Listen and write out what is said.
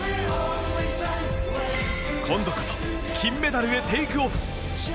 今度こそ金メダルへテイクオフ！